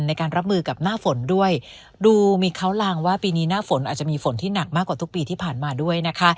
ในการรับมือกับหน้าฝนด้วยดูมีเขาลางว่าปีนี้หน้าฝนอาจจะมีฝนที่หนักมากกว่าทุกปีที่ผ่านมาด้วยนะคะ